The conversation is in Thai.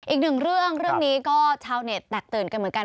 อีกหนึ่งเรื่องเรื่องนี้ก็ชาวเน็ตแตกตื่นกันเหมือนกัน